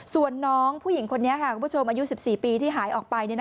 ส่วนน้องผู้หญิงคนนี้ค่ะคุณผู้ชมอายุ๑๔ปีที่หายออกไป